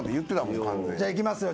じゃあいきますよ